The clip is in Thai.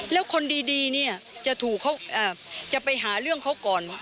แล้วคนดีเนี่ยจะถูกเขาจะไปหาเรื่องเขาก่อน